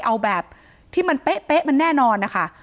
เอาแบบที่มันเป๊ะมันแน่นอนนะคะ